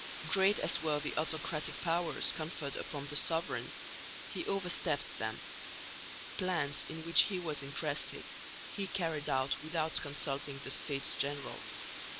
Great as were the autocratic powers conferred upon the sovereign, he overstepped them. Plans, in which he was interested, he carried out without consulting the States General.